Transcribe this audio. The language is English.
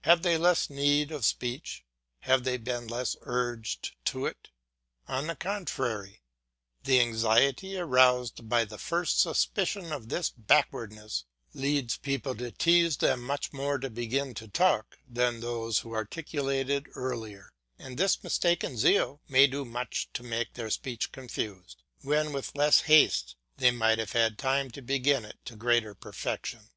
Have they less need of speech, have they been less urged to it? On the contrary, the anxiety aroused with the first suspicion of this backwardness leads people to tease them much more to begin to talk than those who articulated earlier; and this mistaken zeal may do much to make their speech confused, when with less haste they might have had time to bring it to greater perfection.